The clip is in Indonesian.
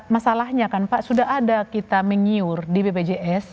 masalahnya kan pak sudah ada kita menyiur di bpjs